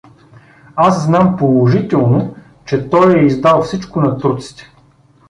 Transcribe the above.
— Аз знам положително, че той е издал всичко на турците!